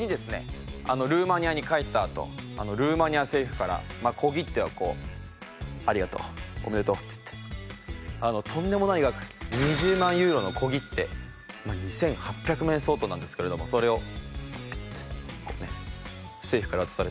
ルーマニアに帰ったあとルーマニア政府から小切手をこう「ありがとう。おめでとう」って言ってとんでもない額２０万ユーロの小切手２８００万円相当なんですけれどもそれをピッてこうね政府から渡されて。